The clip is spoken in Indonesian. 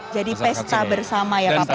jadi pesta bersama ya pak pratik ya